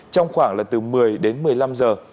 trong khoảng là từ một mươi đến một mươi năm giờ